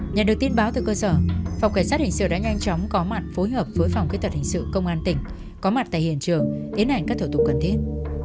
nhận được tin báo từ cơ sở phòng cảnh sát hình sự đã nhanh chóng có mặt phối hợp với phòng kỹ thuật hình sự công an tỉnh có mặt tại hiện trường tiến hành các thủ tục cần thiết